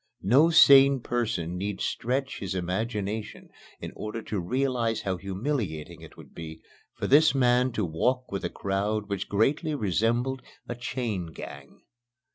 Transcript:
No sane person need stretch his imagination in order to realize how humiliating it would be for this man to walk with a crowd which greatly resembled a "chain gang."